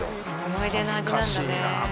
思い出の味なんだね